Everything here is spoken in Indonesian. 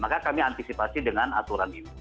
maka kami antisipasi dengan aturan ini